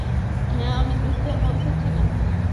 হ্যাঁ, আমি যুদ্ধের মধ্যে ছিলাম।